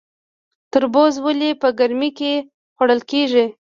تربوز ولې په ګرمۍ کې خوړل کیږي؟